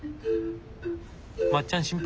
まっちゃん心配。